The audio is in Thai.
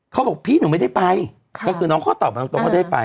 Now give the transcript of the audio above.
เขาบอกพี่หนูไม่ได้ไปก็คือน้องเขาตอบมาตรงว่าได้ไป